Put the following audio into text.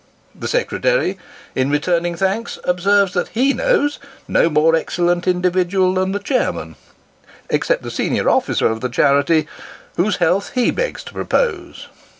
The secretary, in returning thanks, observes that he knows no more ex cellent individual than the chairman except the senior officer of the charity, whose health tie begs to propose.